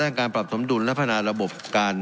และปรับสมดุลและพัฒนาระบบการบริหารจัดการภาครัฐ